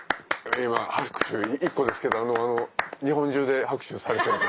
今拍手１個ですけど日本中で拍手されてると。